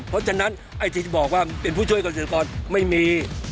เพราะฉะนั้นไอ้ที่บอกว่าเป็นผู้ช่วยเกษตรกรไม่มี